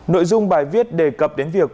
nội dung bài viết đề cập đến việc